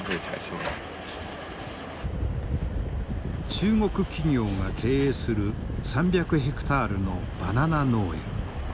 中国企業が経営する３００ヘクタールのバナナ農園。